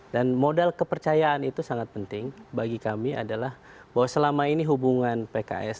dan modal kepercayaan itu sangat penting bagi kami adalah bahwa selama ini hubungan pks